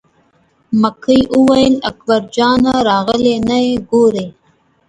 مکۍ وویل: اکبر جان راغلی نه یې ګورې.